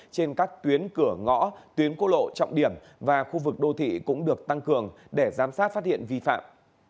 trên các tuyến cửa ngõ tuyến cô lộ trọng điểm và khu vực đô thị cũng được tăng cường để giám sát phát hiện vi phạm